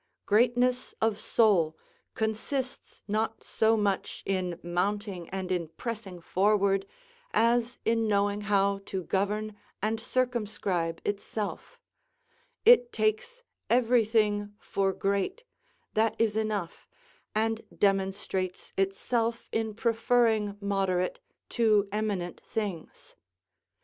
Greatness of soul consists not so much in mounting and in pressing forward, as in knowing how to govern and circumscribe itself; it takes everything for great, that is enough, and demonstrates itself in preferring moderate to eminent things.